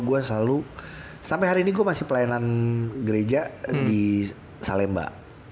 gue selalu sampai hari ini gue masih pelayanan gereja di salemba